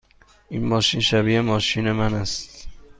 این ماشین شبیه ماشین من است.